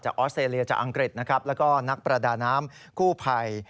ออสเตรเลียจากอังกฤษนะครับแล้วก็นักประดาน้ำกู้ภัย